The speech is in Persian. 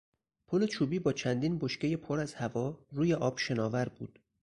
پل چوبی با چندین بشکهی پر از هوا روی آب شناور بود.